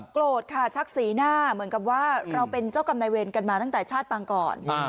โกรธค่ะชักสีหน้าเหมือนกับว่าเราเป็นเจ้ากรรมนายเวรกันมาตั้งแต่ชาติปังก่อน